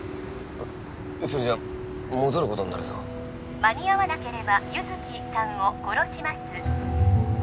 それじゃ戻ることになるぞ間に合わなければ優月さんを殺します